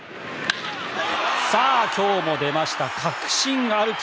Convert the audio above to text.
今日も出ました、確信歩き！